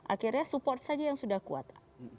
akhirnya support saja yang sudah kuat